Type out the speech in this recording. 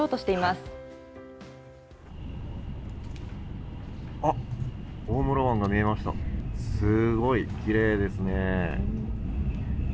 すごいきれいですね。